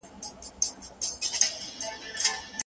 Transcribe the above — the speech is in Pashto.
څېړونکی باید بې له ماخذونو کار ونه کړي.